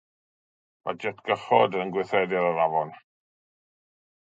Mae jetgychod yn gweithredu ar yr afon.